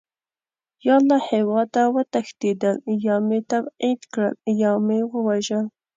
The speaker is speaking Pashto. یا له هېواده وتښتېدل، یا مې تبعید کړل او یا مې ووژل.